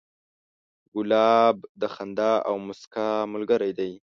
ګلاب د خندا او موسکا ملګری دی.